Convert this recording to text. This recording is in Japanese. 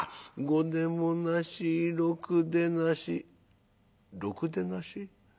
五でもなし六でなし「六でなし？